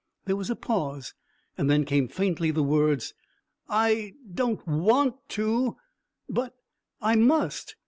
There was a pause, and then came faintly the words, "I don't want to; but I must."